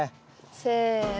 せの。